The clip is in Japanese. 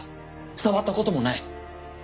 触った事もない。